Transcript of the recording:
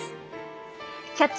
「キャッチ！